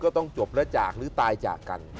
ก็ต้องจบระจากหรือตายจากกัน